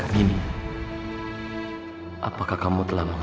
akhirnya kamu keluar juga